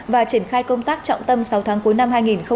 và triển khai công tác trọng tâm sáu tháng cuối năm hai nghìn hai mươi